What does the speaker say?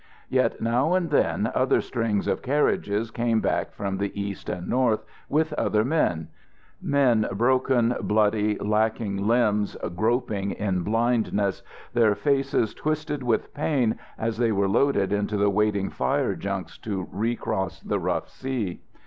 Yet now and then other strings of carriages came back from the east and north, with other men men broken, bloody, lacking limbs, groping in blindness, their faces twisted with pain as they were loaded into the waiting fire junks to recross the rough sea.